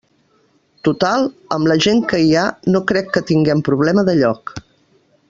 Total, amb la gent que hi ha no crec que tinguem problema de lloc.